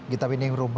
kita pindah ke ruang